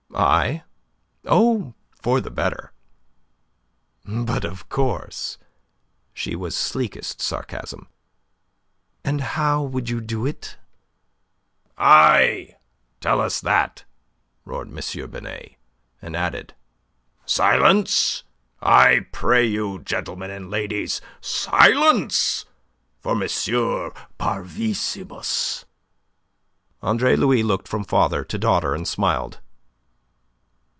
"I? Oh, for the better." "But of course!" She was sleekest sarcasm. "And how would you do it?" "Aye, tell us that," roared M. Binet, and added: "Silence, I pray you, gentlemen and ladies. Silence for M. Parvissimus." Andre Louis looked from father to daughter, and smiled.